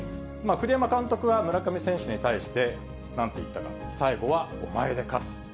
栗山監督は村上選手に対して、なんて言ったか、最後はお前で勝つ。